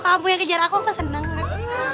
kamu yang kejar aku enggak senang enggak